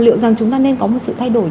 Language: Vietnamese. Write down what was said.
liệu rằng chúng ta nên có một sự thay đổi